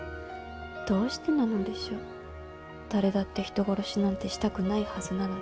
どうしてなのでしょう誰だって人殺しなんてしたくないはずなのに。